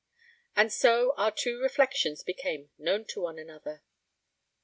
And so our two reflections became known to one another.